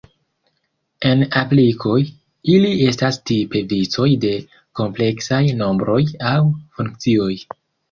En aplikoj, ili estas tipe vicoj de kompleksaj nombroj aŭ funkcioj.